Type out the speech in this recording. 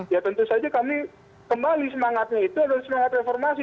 ya tentu saja kami kembali semangatnya itu adalah semangat reformasi